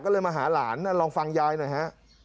ก็เลยมาหาหลานลองฟังยายหน่อยฮะ